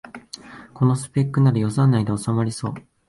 このスペックなら予算内でおさまりそう